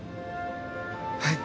はい。